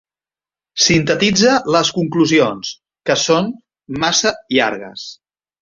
Sintetitza les conclusions, que són massa llargues.